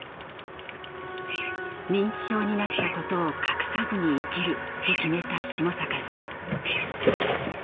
認知症になったことを隠さずに生きると決めた下坂さん。